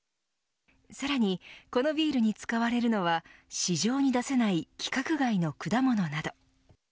さらにこのビールに使われるのは市場に出せない規格外の果物など。